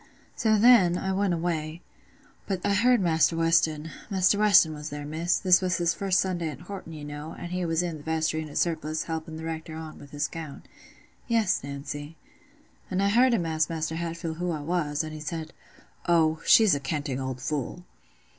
"So then, I went away. But I heard Maister Weston—Maister Weston was there, Miss—this was his first Sunday at Horton, you know, an' he was i' th' vestry in his surplice, helping th' Rector on with his gown—" "Yes, Nancy." "And I heard him ask Maister Hatfield who I was, an' he says, 'Oh, she's a canting old fool.